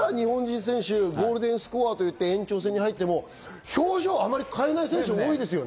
だから日本人選手、ゴールデンスコアという延長戦になっても表情を変えない選手、多いですよね。